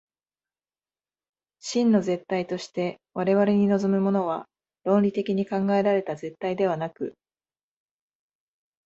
真の絶対として我々に臨むものは、論理的に考えられた絶対ではなく、